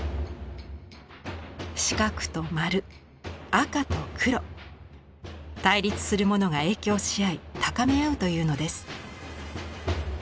四角と丸赤と黒。対立するものが影響し合い高め合うというのです。